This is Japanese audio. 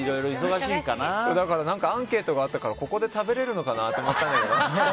アンケートがあったからここで食べれるのかなと思ったんですけど。